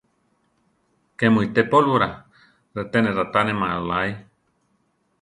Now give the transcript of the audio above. ¿Ké mu ité pólvora? reté ne raʼtánema oláe.